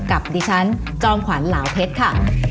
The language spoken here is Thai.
กับดิฉันจอมขวัญเหลาเพชรค่ะ